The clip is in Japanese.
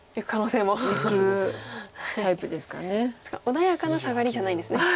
穏やかなサガリじゃないんですね。